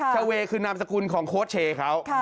ชาวเวย์คือนามสกุลของโค้ชเชย์เขา